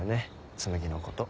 紬のこと。